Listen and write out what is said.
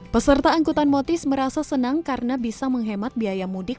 peserta angkutan motis merasa senang karena bisa menghemat biaya mudik